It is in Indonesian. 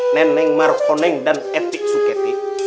neneng markoneng dan etik suketi